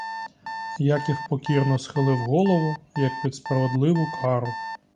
Яків покірно схилив голову, як під справедливу кару.